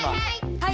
はい。